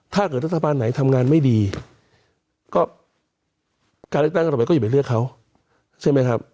ถ้าเกิดรัฐบาลไหนทำงานไม่ดีก็การเลือกตั้งกันต่อไปก็อย่าไปเลือกเขาใช่ไหมครับ